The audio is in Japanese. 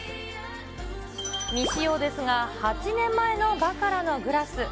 未使用ですが８年前のバカラのグラス。